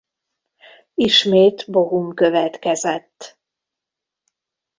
Ismét Bochum következett.